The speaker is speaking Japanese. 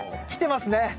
来てますね！